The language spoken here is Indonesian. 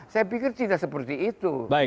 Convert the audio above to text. saya pikir tidak seperti itu